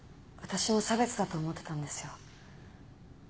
私も差別だと思ってたんですよ。